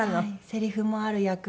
せりふもある役で。